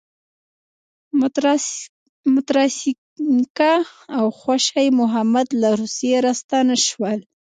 متراسینکه او خوشی محمد له روسیې راستانه شول.